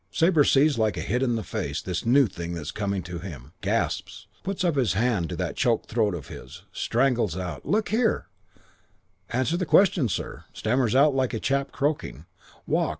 "Sabre sees like a hit in the face this new thing that's coming to him. Gasps. Puts up his hand to that choked throat of his. Strangles out, 'Look here ' "'Answer the question, sir.' "Stammers out like a chap croaking. 'Walk.